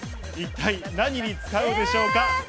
一体何に使うでしょうか？